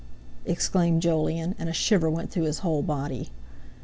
exclaimed Jolyon; and a shiver went through his whole body.